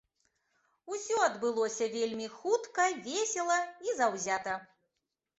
Усё адбылося вельмі хутка, весела і заўзята.